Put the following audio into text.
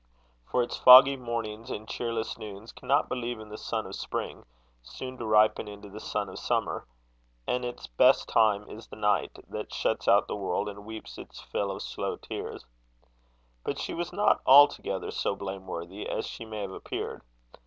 For its foggy mornings and cheerless noons cannot believe in the sun of spring, soon to ripen into the sun of summer; and its best time is the night, that shuts out the world and weeps its fill of slow tears. But she was not altogether so blameworthy as she may have appeared.